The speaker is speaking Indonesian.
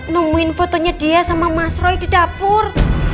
nemuin fotonya dia sama mas roy di dapur